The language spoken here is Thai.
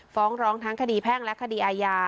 ฟ้องล้องแคดีแพ่งและแคดีอายา